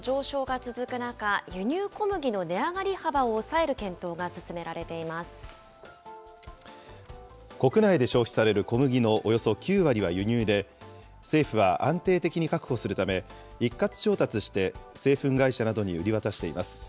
食料価格の上昇が続く中、輸入小麦の値上がり幅を抑える検討が進国内で消費される小麦のおよそ９割は輸入で、政府は安定的に確保するため、一括調達して、製粉会社などに売り渡しています。